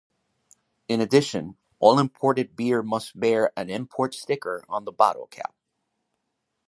In addition, all imported beer must bear an import sticker on the bottle cap.